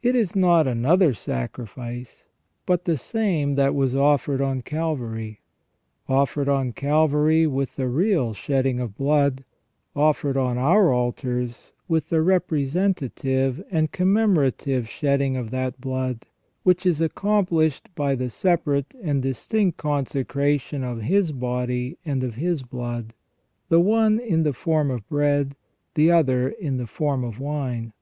It is not another sacrifice but the same that was offered on Calvary ; offered on Calvary with the real shedding of blood, offered on our altars with the representative and commemorative shedding of that blood which is accomplished by the separate and distinct consecration of His body and of His blood, the one in the form of bread, the other in the form of wine.